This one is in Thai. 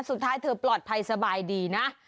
สุดท้ายเธอปลอดภัยสบายดีนะ